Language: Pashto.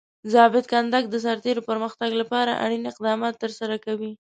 ضابط کنډک د سرتیرو پرمختګ لپاره اړین اقدامات ترسره کوي.